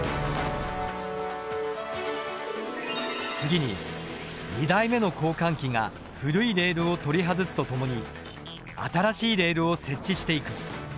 次に２台目の交換機が古いレールを取り外すとともに新しいレールを設置していく。